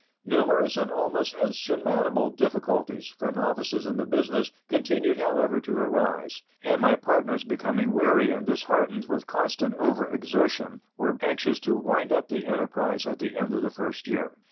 Numerous and almost insurmountable difficulties, for novices in the business, continued however to arise, and my partners becoming weary and disheartened with constant over exertion, were anxious to wind up the enterprise at the end of the first year.